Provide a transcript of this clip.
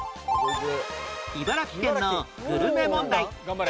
茨城県のグルメ問題